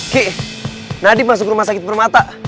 ki nadif masuk rumah sakit permata